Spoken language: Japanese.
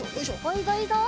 いいぞいいぞ！